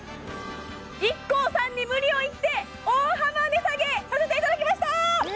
ＩＫＫＯさんに無理を言って大幅値下げさせていただきました！